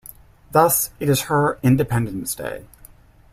Thus, it is her Independence Day.